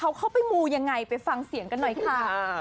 เขาเข้าไปมูยังไงไปฟังเสียงกันหน่อยค่ะ